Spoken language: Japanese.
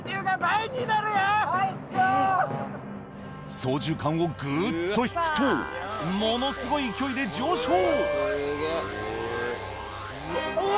操縦かんをグっと引くとものすごい勢いで上昇おぉ！